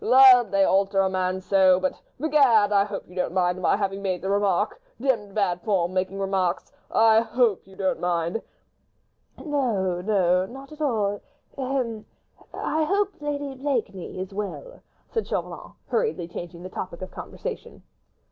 "Lud! they alter a man so ... but ... begad! I hope you don't mind my having made the remark? ... Demmed bad form making remarks. ... I hope you don't mind?" "No, no, not at all—hem! I hope Lady Blakeney is well," said Chauvelin, hurriedly changing the topic of conversation.